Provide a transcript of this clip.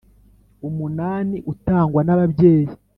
Umunani utangwa nababyeyi.